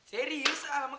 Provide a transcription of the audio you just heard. serius alamaknya lo lihat dong